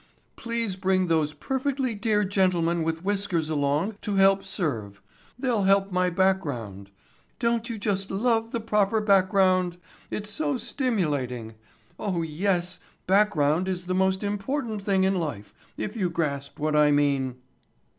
Please bring those perfectly dear gentlemen with whiskers along to help serve. They'll help my background? Don't you just love the proper background? It's so stimulating. Oh, yes, background is the most important thing in life, if you grasp what I mean."